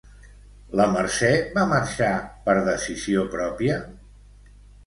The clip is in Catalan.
La Mercè va marxar per decisió pròpia?